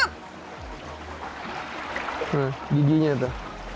nah giginya itu